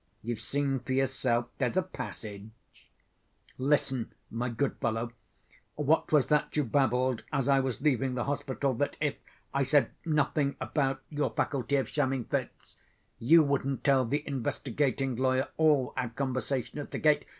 You've seen for yourself: there's a passage." "Listen, my good fellow; what was that you babbled, as I was leaving the hospital, that if I said nothing about your faculty of shamming fits, you wouldn't tell the investigating lawyer all our conversation at the gate?